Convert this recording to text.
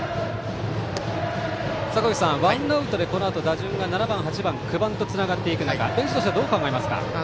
坂口さん、ワンアウトでこのあと打順が７番、８番、９番とつながっていく中ベンチとしてはどう考えますか？